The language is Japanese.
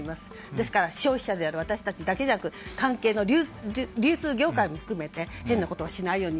ですから消費者である私たちだけでなく関係の流通業界も含めて変なことはしないように。